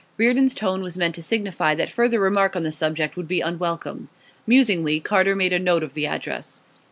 Reardon's tone was meant to signify that further remark on the subject would be unwelcome. Musingly, Carter made a note of the address.